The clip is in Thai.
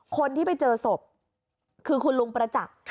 คนที่ไปเจอศพคือคุณลุงประจักษ์